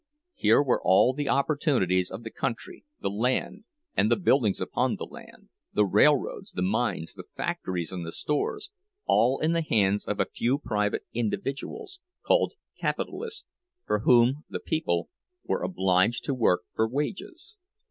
Here were all the opportunities of the country, the land, and the buildings upon the land, the railroads, the mines, the factories, and the stores, all in the hands of a few private individuals, called capitalists, for whom the people were obliged to work for wages.